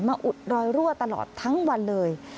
อุดรอยรั่วตลอดทั้งวันเลย